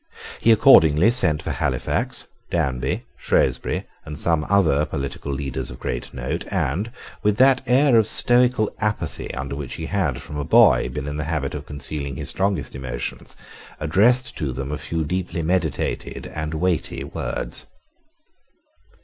He accordingly sent for Halifax, Danby, Shrewsbury, and some other political leaders of great note, and, with that air of stoical apathy under which he had, from a boy, been in the habit of concealing his strongest emotions, addressed to them a few deeply meditated and weighty words.